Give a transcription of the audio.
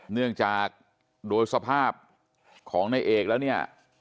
เนื่องจากโดยสภาพของนายเอกแล้วเนี่ย